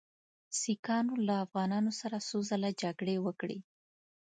سیکهانو له افغانانو سره څو ځله جګړې وکړې.